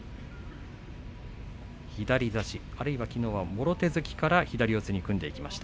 左差しあるいは、きのうはもろ手突きから左四つに組んでいきました。